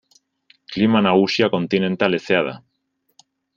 Klima nagusia kontinental hezea da.